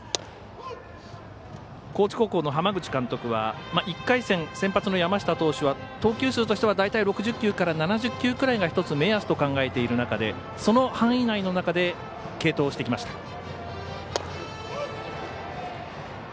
高知高校の浜口監督は１回戦、先発の山下投手は投球数としては大体６０球から７０球くらいが目安と考えている中でその範囲内の中で継投してきました。